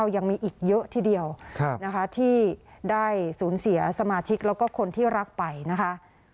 ยังมีอีกเยอะทีเดียวนะคะที่ได้สูญเสียสมาชิกแล้วก็คนที่รักไปนะคะ